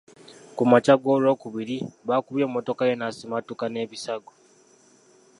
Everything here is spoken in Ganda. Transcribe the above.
Ku makya g’Olwokubiri bakubye emmotoka ye n’asimattuka n’ebisago.